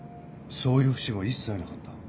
そういう節も一切なかった？